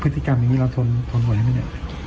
พฤติกรรมเราทนเพื่อนมัไม่ได้